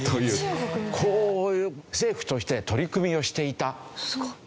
こういう政府として取り組みをしていたんですよ。